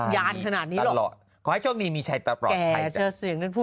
ยานขนาดนี้หรอขอให้โชคดีมีชัยตลอดแก่เสียเสียงนั่นพูด